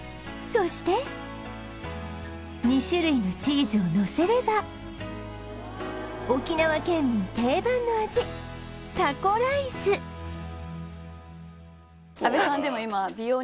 そして２種類のチーズをのせれば沖縄県民定番の味タコライス美容！？